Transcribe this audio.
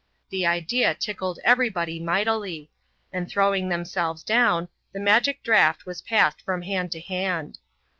The idea tickled every body mightily ; and throwing themselves down, the magic draught was passed from hand to hand.